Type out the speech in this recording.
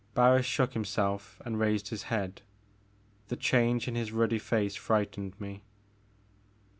Barris shook himself and raised his head. The change in his ruddy face frightened me.